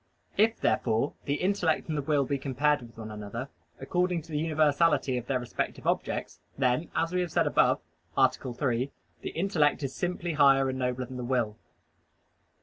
If, therefore, the intellect and the will be compared with one another according to the universality of their respective objects, then, as we have said above (A. 3), the intellect is simply higher and nobler than the will.